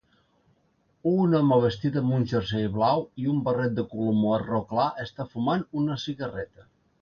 Un home vestit amb un jersei blau i un barret de color marró clar està fumant una cigarreta.